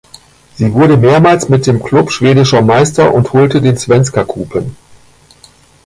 Sie wurde mehrmals mit dem Klub schwedischer Meister und holte den Svenska Cupen.